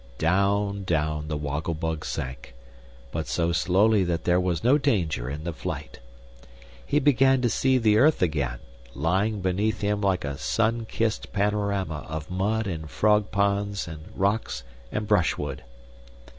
Down, down the Woggle Bug sank; but so slowly that there was no danger in the flight. He began to see the earth again, lying beneath him like a sun kissed panorama of mud and frog ponds and rocks and brushwood.